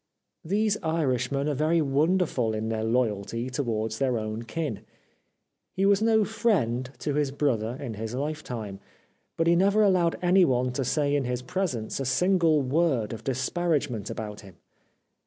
These Irishmen are very wonder ful in their loyalty towards their own kin. He was no friend of his brother in his lifetime, but he never allowed anyone to say in his presence a single word of disparagement about him.